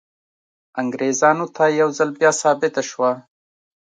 انګریزانو ته یو ځل بیا ثابته شوه.